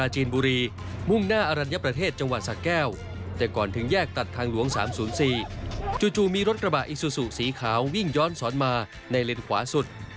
เฮ้ยมันแย้งมาทำไมจะหักหลบได้ไหม